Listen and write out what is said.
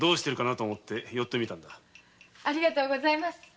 ありがとうございます。